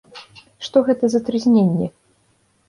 Што гэта за трызненне?